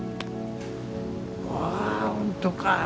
わあほんとかぁ。